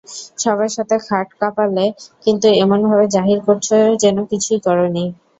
সবার সাথে খাট কাঁপালে, কিন্তু এমনভাবে জাহির করছ যেন কিছুই করোনি।